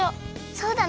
そうだね。